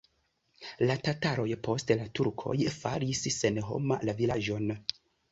La tataroj, poste la turkoj faris senhoma la vilaĝon.